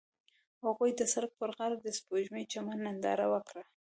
هغوی د سړک پر غاړه د سپوږمیز چمن ننداره وکړه.